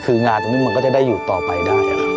คืองานตรงนี้มันก็จะได้อยู่ต่อไปได้